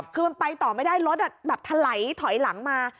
คือไปต่อไม่ได้รถอะเทาะไหลถอยหลังมา